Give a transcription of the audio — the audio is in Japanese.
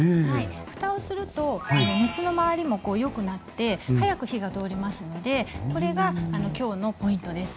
ふたをすると熱の回りもよくなって早く火が通りますのでこれが今日のポイントです。